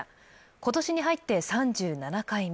今年に入って３７回目。